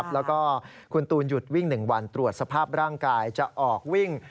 แล้วก็คุณตูนหยุดวิ่ง๑วันตรวจสภาพร่างกายจะออกวิ่ง